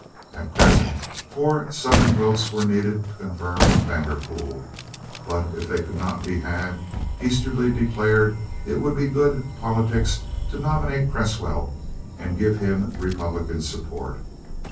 At present four Southern votes were needed to confirm Vanderpool; but if they could not be had, Easterly declared it would be good politics to nominate Cresswell and give him Republican support.